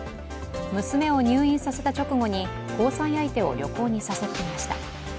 娘を入院させた直後に交際相手を旅行に誘っていました。